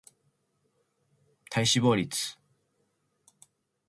体脂肪率